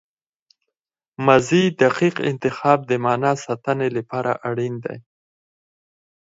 ماضي دقیق انتخاب د معنی ساتني له پاره اړین دئ.